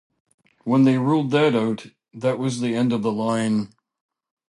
When they ruled that out, that was the end of the line.